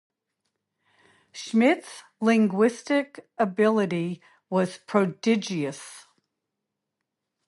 Schmidt's linguistic ability was prodigious.